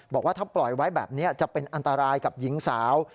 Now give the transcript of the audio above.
บอกว่าถ้าปล่อยไว้แบบนี้จะเป็นอันตรายกับหญิงสาว